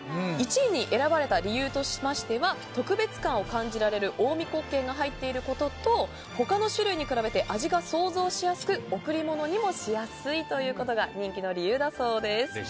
１位に選ばれた理由としては特別感を感じられる近江黒鶏が入っていることと他の種類に比べて味が想像しやすく贈り物にもしやすいというのが人気の理由だそうです。